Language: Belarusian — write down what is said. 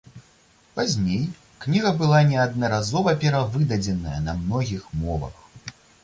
Пазней кніга была неаднаразова перавыдадзеная на многіх мовах.